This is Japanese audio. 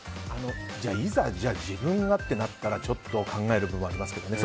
いざ自分がってなったらちょっと考える部分はありますけどね。